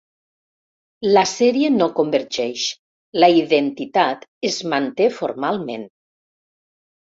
La sèrie no convergeix, la identitat es manté formalment.